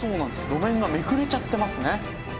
路面がめくれちゃってますね。